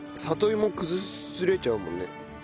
里芋崩れちゃうもんね。